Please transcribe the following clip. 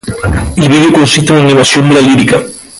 El vídeo consiste en una animación de la lírica.